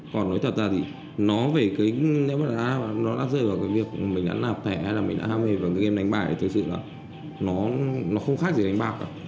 còn nói thật ra thì nó về cái nếu mà nó đã rơi vào cái việc mình đã nạp thẻ hay là mình đã ham hề vào cái game đánh bạc thì thực sự là nó không khác gì đánh bạc cả